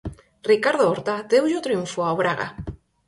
Ricardo Horta deulle o triunfo ao Braga.